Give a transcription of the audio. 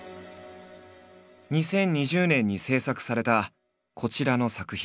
２０２０年に制作されたこちらの作品。